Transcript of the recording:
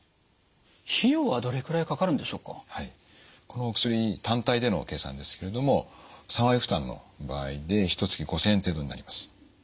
この薬単体での計算ですけれども３割負担の場合でひとつき５，０００円程度になります。